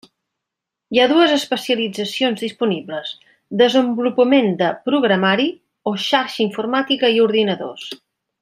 Hi ha dues especialitzacions disponibles: desenvolupament de programari o xarxa informàtica i ordinadors.